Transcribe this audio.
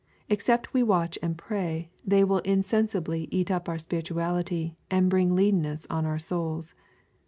Except we watch and pray, they will Insensibly cat up our spirituality, and bring leanness on our souls.